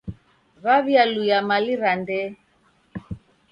W'aw'ialuya mali ra ndee.